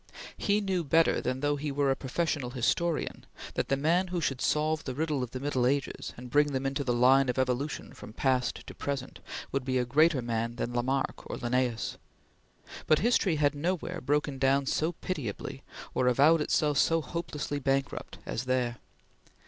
He knew better than though he were a professional historian that the man who should solve the riddle of the Middle Ages and bring them into the line of evolution from past to present, would be a greater man than Lamarck or Linnaeus; but history had nowhere broken down so pitiably, or avowed itself so hopelessly bankrupt, as there.